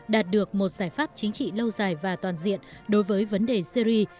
đạt được một giải pháp chính trị lâu dài và toàn diện đối với vấn đề syri